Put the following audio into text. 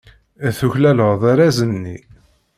Tuklaleḍ arraz-nni.